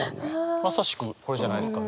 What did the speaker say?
まさしくこれじゃないですかね。